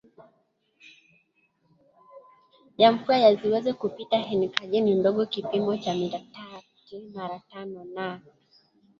ya mvua yasiweze kupitaEnkaji ni ndogo kipimo cha mita tati mara tano na